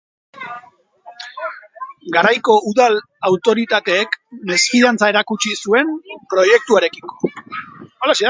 Garaiko udal autoritateek mesfidantza erakutsi zuen proiektuarekiko.